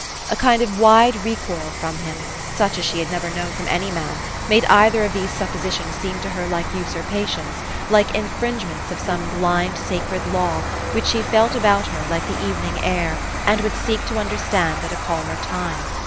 A kind of wide recoil from him, such as she had never known from any man, made either of these THE STORY OF* AVIS. 117 suppositions seem to her like usurpations ; like in fringements of some blind, sacred law, which she felt about her, like the evening air, and would seek to understand at a calmer tune.